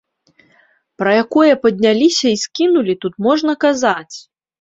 Пра якое падняліся і скінулі тут можна казаць?!